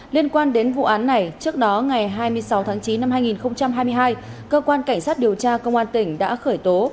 liên quan đến vụ án này trước đó ngày hai mươi sáu tháng chín năm hai nghìn hai mươi hai cơ quan cảnh sát điều tra công an tỉnh đã khởi tố